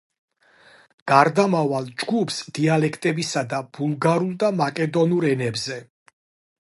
გარდამავალ ჯგუფს დიალექტებისა ბულგარულ და მაკედონურ ენებზე.